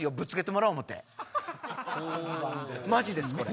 マジですこれ。